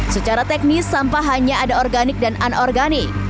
secara teknis sampah hanya ada organik dan anorganik